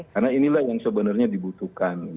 karena inilah yang sebenarnya dibutuhkan